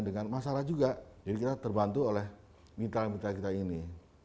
dengan masalah juga jadi kita terbantu oleh mitra mitra kita ini